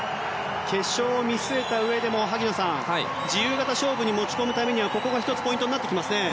決勝を見据えたうえでも萩野さん、自由形勝負に持ち込むためにはここが１つポイントになってきますね。